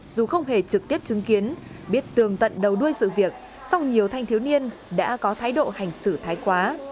dù không hề trực tiếp chứng kiến biết tường tận đầu đuôi sự việc song nhiều thanh thiếu niên đã có thái độ hành xử thái quá